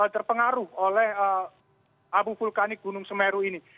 terpengaruh oleh abu vulkanik gunung semeru ini